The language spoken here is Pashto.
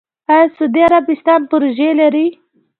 آیا سعودي عربستان پروژې لري؟